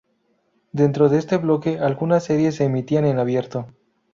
Dentro de este bloque algunas series se emitían en abierto.